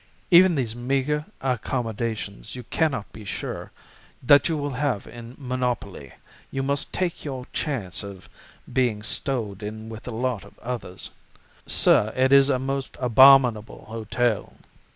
Even these meager accommodations you cannot be sure that you will have in monopoly; you must take your chance of being stowed in with a lot of others. Sir, it is a most abominable hotel.